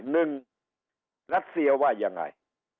หนึ่งรัสเซียว่ายังไง